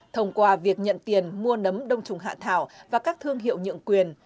thông qua việc nhận tiền mua nấm đông trùng hạ thảo và các thương hiệu nhượng quyền